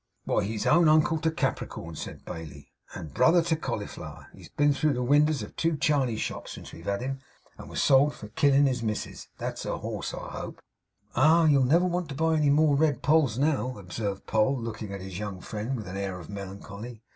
'Why, he's own uncle to Capricorn,' said Bailey, 'and brother to Cauliflower. He's been through the winders of two chaney shops since we've had him, and was sold for killin' his missis. That's a horse, I hope?' 'Ah! you'll never want to buy any more red polls, now,' observed Poll, looking on his young friend with an air of melancholy.